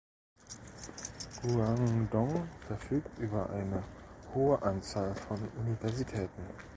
Guangdong verfügt über eine hohe Anzahl an Universitäten.